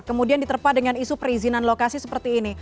kemudian diterpa dengan isu perizinan lokasi seperti ini